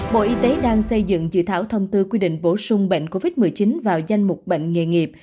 bộ y tế đang xây dựng dự thảo thông tư quy định bổ sung bệnh covid một mươi chín vào danh mục bệnh nghề nghiệp